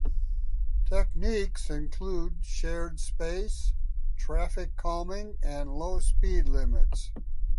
Techniques include shared space, traffic calming, and low speed limits.